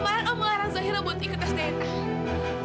kemarin om melarang zahira buat ikut tes dna